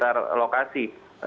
di sekitar lokasi